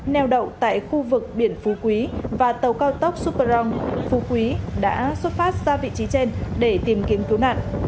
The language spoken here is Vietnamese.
neo đậu tại khu vực biển phú quý và tàu cao tốc superon phú quý đã xuất phát ra vị trí trên để tìm kiếm cứu nạn